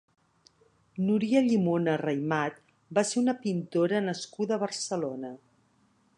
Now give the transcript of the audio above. Núria Llimona Raymat va ser una pintora nascuda a Barcelona.